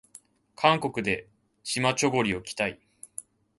韓国でチマチョゴリを着たい